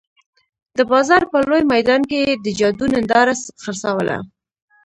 د بازار په لوی میدان کې یې د جادو ننداره خرڅوله.